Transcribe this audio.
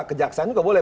kejaksaan juga boleh